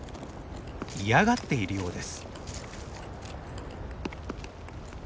嫌がっているようです。